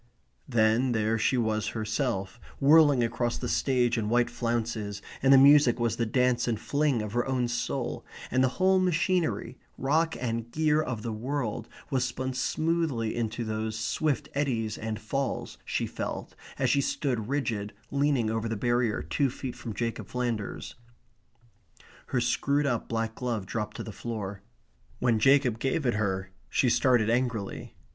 Then there she was herself, whirling across the stage in white flounces, and the music was the dance and fling of her own soul, and the whole machinery, rock and gear of the world was spun smoothly into those swift eddies and falls, she felt, as she stood rigid leaning over the barrier two feet from Jacob Flanders. Her screwed up black glove dropped to the floor. When Jacob gave it her, she started angrily.